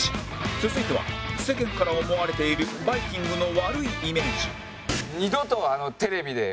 続いては世間から思われているバイきんぐの悪いイメージ